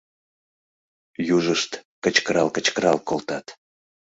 Южышт кычкырал-кычкырал колтат: